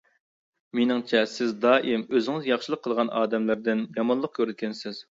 مېنىڭچە سىز دائىم ئۆزىڭىز ياخشىلىق قىلغان ئادەملەردىن يامانلىق كۆرىدىكەنسىز.